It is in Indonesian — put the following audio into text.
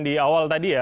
di awal tadi ya